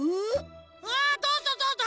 あどうぞどうぞ。